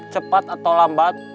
cepat atau lambat